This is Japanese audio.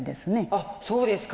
あっそうですか。